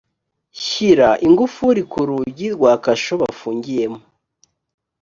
shyira ingufuri ku rugi rwa kasho bafungiyemo